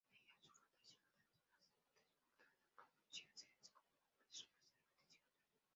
En ella su fantasía, cada vez más desbordada, producía seres como hombres-rinoceronte y otros.